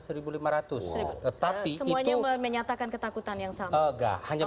semuanya menyatakan ketakutan yang sama